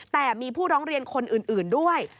แต่มีผู้ร้องเรียนคนอื่นด้วย